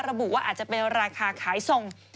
ระบุว่าอาจจะเป็นราคาขายส่ง